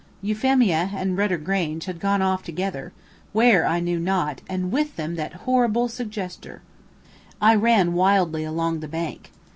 Euphemia and "Rudder Grange" had gone off together where I knew not, and with them that horrible suggester! I ran wildly along the bank.